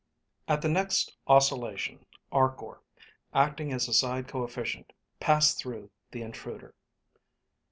(At the next oscillation, Arkor, acting as a side coefficient, passed through the intruder.)